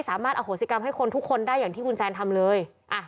สามารถอโหสิกรรมให้คนทุกคนได้อย่างที่คุณแซนทำเลย